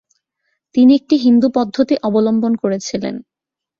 তিনি একটি হিন্দু পদ্ধতি অবলম্বন করেছিলেন।